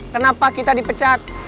kenapa kita dipecat